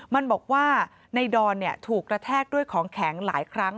มันบอกว่าในดอนถูกกระแทกด้วยของแข็งหลายครั้ง